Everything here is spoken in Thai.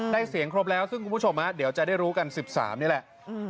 เสียงครบแล้วซึ่งคุณผู้ชมเดี๋ยวจะได้รู้กัน๑๓นี่แหละ